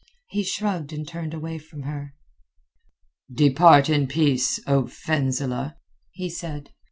He shrugged and turned away from her. "Depart in peace, O Fenzileh," he said.